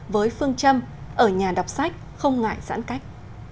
với phương châm ở nhà đọc sách không ngại giãn cách